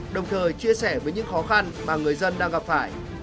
đồng thời chia sẻ với những khó khăn mà người dân đang gặp phải